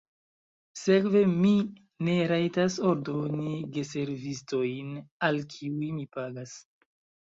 Sekve mi ne rajtas ordoni geservistojn, al kiuj mi pagas?